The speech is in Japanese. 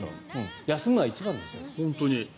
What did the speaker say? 休むのが一番ですよ。